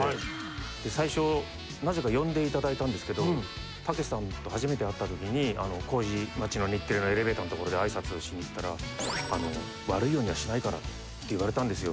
で最初なぜか呼んで頂いたんですけどたけしさんと初めて会った時に麹町の日テレのエレベーターのところで挨拶をしに行ったら。って言われたんですよ。